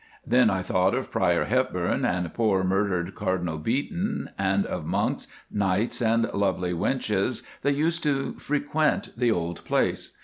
Then I thought of Prior Hepburn and poor murdered Cardinal Beaton, and of monks, knights, and lovely wenches that used to frequent the old place.